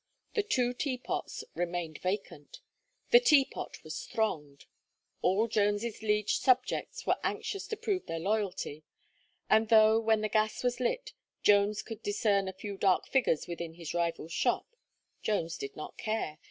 The two Teapots remained vacant; the Teapot was thronged. All Jones's liege subjects were anxious to prove their loyalty; and though, when the gas was lit, Jones could discern a few dark figures within his rival's shop, Jones did not care.